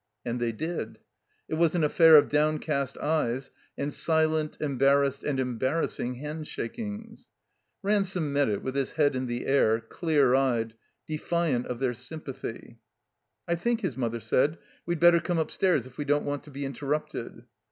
And they did. It was an affair of downcast eyes and silent, embarrassed and embarrassing hand shakings. Ransome met it with his head in the air, dear eyed, defiant of their sympathy. "I think," his mother said, "we'd better come upstairs if we don't want to be interrupted."